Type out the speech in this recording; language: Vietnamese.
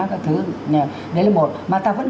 các thứ đấy là một mà ta vẫn